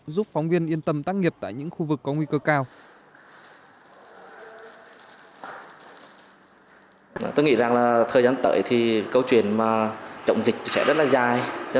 giúp phóng viên yên tâm tác nghiệp tại những khu vực có nguy cơ cao